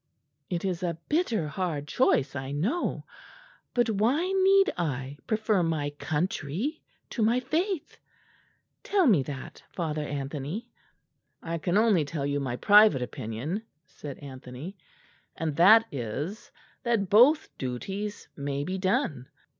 It is a bitter hard choice, I know; but why need I prefer my country to my faith? Tell me that, Father Anthony." "I can only tell you my private opinion," said Anthony, "and that is, that both duties may be done.